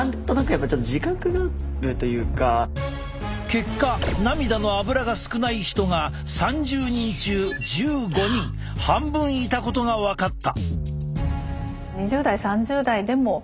結果涙のアブラが少ない人が３０人中１５人半分いたことが分かった！